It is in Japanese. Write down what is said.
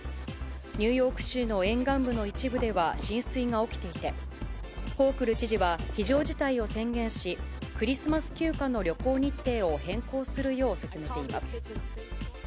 ニューヨーク州の沿岸部の一部では浸水が起きていて、ホークル知事は非常事態を宣言し、クリスマス休暇の旅行日程を変更するよう勧めています。